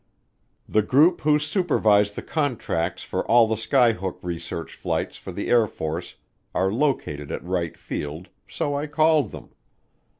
The group who supervise the contracts for all the skyhook research flights for the Air Force are located at Wright Field, so I called them.